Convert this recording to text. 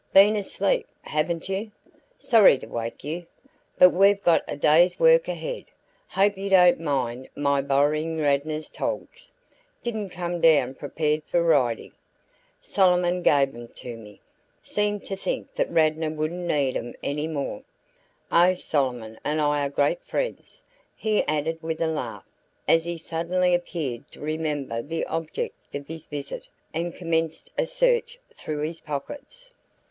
"Been asleep, haven't you? Sorry to wake you, but we've got a day's work ahead. Hope you don't mind my borrowing Radnor's togs. Didn't come down prepared for riding. Solomon gave 'em to me seemed to think that Radnor wouldn't need 'em any more. Oh, Solomon and I are great friends!" he added with a laugh, as he suddenly appeared to remember the object of his visit and commenced a search through his pockets.